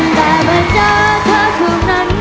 ตั้งแต่เมืองเจ้าเธอทุกนั้น